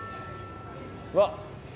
うわっ！